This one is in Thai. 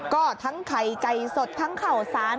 ก็ทั้งไข่ไก่สดทั้งข่าวสาร